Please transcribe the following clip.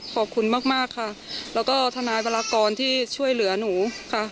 ขอบคุณมากค่ะแล้วก็ทนายบรากรที่ช่วยเหลือหนูค่ะ